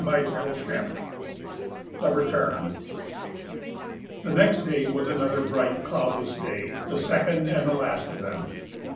CHAPTER VI THE RETURN The next day was another bright, cloudless day, the second and last of them.